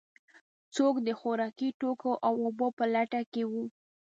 څوک د خوراکي توکو او اوبو په لټه کې و.